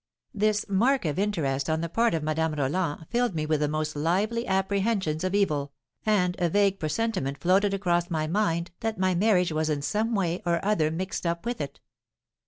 This mark of interest on the part of Madame Roland filled me with the most lively apprehensions of evil, and a vague presentiment floated across my mind that my marriage was in some way or other mixed up with it.